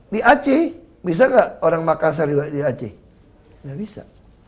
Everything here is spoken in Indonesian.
di aceh bisa enggak orang makassar di aceh enggak bisa